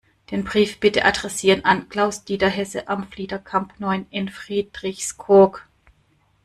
Den Brief bitte adressieren an Klaus-Dieter Hesse, Am Fliederkamp neun in Friedrichskoog.